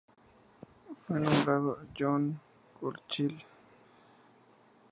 Fue nombrado para John Churchill.